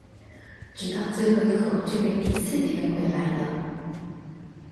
直到最後一口就被一次甜回來了